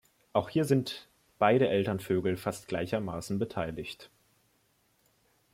Auch hier sind beide Elternvögel fast gleichermaßen beteiligt.